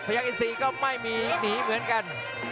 ยังอินซีก็ไม่มีหนีเหมือนกัน